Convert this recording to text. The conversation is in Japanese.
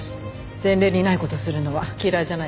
前例にない事するのは嫌いじゃないわ。